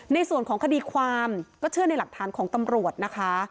ในส่วนของคดีความก็เชื่อในหลักฐานของตำรวจนะคะ